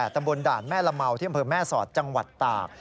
ตำบลด่านแม่ละเมาที่อำเภอแม่สอดจังหวัดตาก